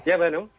ya pak nur